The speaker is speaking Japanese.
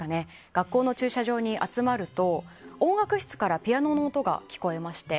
学校の駐車場に集まると音楽室からピアノの音が聴こえまして。